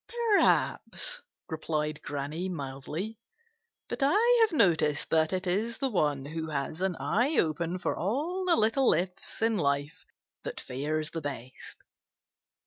"Perhaps," replied Granny mildly, "but I've noticed that it is the one who has an eye open for all the little ifs in life that fares the best.